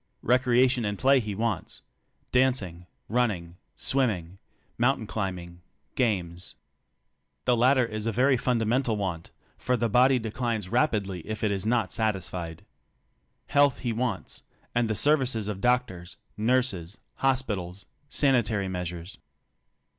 Recreation and play he wants — dancing, running, swimming, mountain climbing, games. The latter is a very fundamental want, for the body declines rapidly if it is not satisfied. Health he wants, and the services of doctors, nurses, hospitals, sanitary measures.